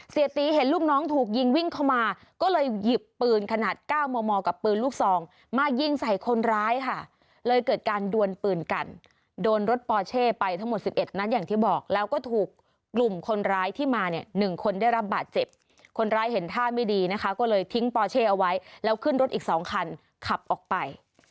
เสียตีเห็นลูกน้องถูกยิงวิ่งเข้ามาก็เลยหยิบปืนขนาด๙มมกับปืนลูกซองมายิงใส่คนร้ายค่ะเลยเกิดการดวนปืนกันโดนรถปอเช่ไปทั้งหมด๑๑นัดอย่างที่บอกแล้วก็ถูกกลุ่มคนร้ายที่มาเนี่ย๑คนได้รับบาดเจ็บคนร้ายเห็นท่าไม่ดีนะคะก็เลยทิ้งปอเช่เอาไว้แล้วขึ้นรถอีก๒คันขับออกไป